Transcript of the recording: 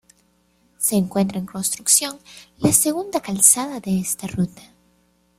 Se encuentra en construcción la segunda calzada de esta ruta.